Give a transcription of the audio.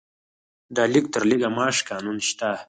د لږ تر لږه معاش قانون شته؟